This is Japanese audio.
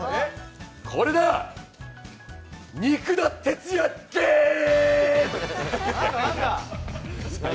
これだ、肉田鉄矢ゲーム！